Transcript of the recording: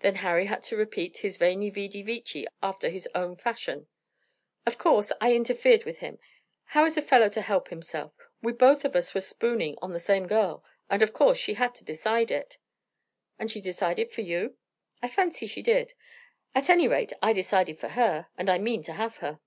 Then Harry had to repeat his veni, vidi, vici after his own fashion. "Of course I interfered with him. How is a fellow to help himself? We both of us were spooning on the same girl, and of course she had to decide it." "And she decided for you?" "I fancy she did. At any rate I decided for her, and I mean to have her."